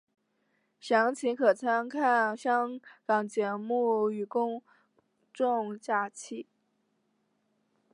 详情可参看香港节日与公众假期。